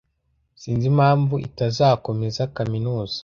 Sinzi impamvu itazakomeza kaminuza.